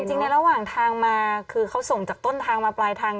จริงในระหว่างทางมาคือเขาส่งจากต้นทางมาปลายทาง